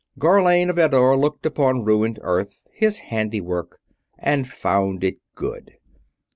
_Gharlane of Eddore looked upon ruined Earth, his handiwork, and found it good.